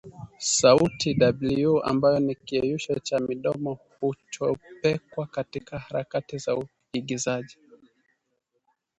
Sauti "w" ambayo ni kiyeyusho cha midomo huchopekwa katika harakati za uingizaji